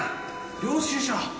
領収書。